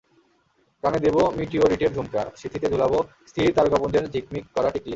কানে দেব মিটিওরিটের ঝুমকা, সিঁথিতে ঝুলাব স্থির তারকাপুঞ্জের ঝিকমিক করা টিকলি।